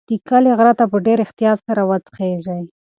د کلي غره ته په ډېر احتیاط سره وخیژئ.